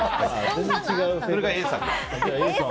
それがＡさんです。